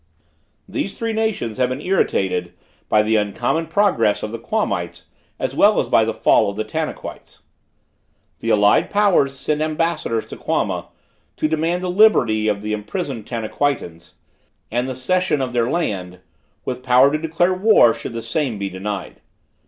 These three nations had been irritated by the uncommon progress of the Quamites as well as by the fall of the Tanaquites. The allied powers sent ambassadors to Quama, to demand the liberty of the imprisoned Tanaquitians and the cession of their land, with power to declare war should the same be denied.